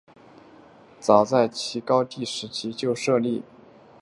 早在齐高帝时期就设立校籍官和置令史来清查户籍。